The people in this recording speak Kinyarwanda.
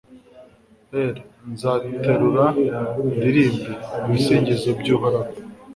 r/ nzaterura ndirimbe ibisingizo by'uhoraho